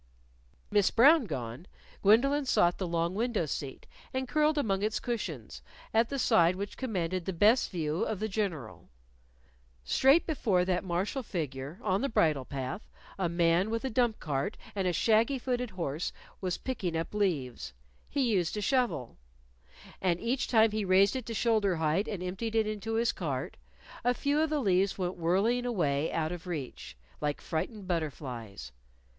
Miss Brown gone, Gwendolyn sought the long window seat and curled up among its cushions at the side which commanded the best view of the General. Straight before that martial figure, on the bridle path, a man with a dump cart and a shaggy footed horse was picking up leaves. He used a shovel. And each time he raised it to shoulder height and emptied it into his cart, a few of the leaves went whirling away out of reach like frightened butterflies.